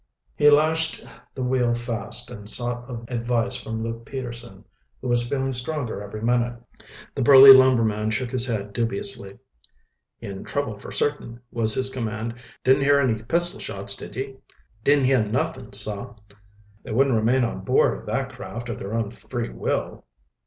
He lashed the wheel fast and sought advice from Luke Peterson, who was feeling stronger every minute. The burly lumberman shook his head dubiously. "In trouble for certain," was his comment. "Didn't hear any pistol shots, did ye?" "Didn't heah nuffin, sah." "They wouldn't remain on board of that craft of their own free will."